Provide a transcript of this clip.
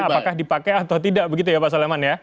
apakah dipakai atau tidak begitu ya pak soleman ya